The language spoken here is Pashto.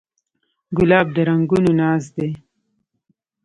ګلاب د رنګونو ناز دی.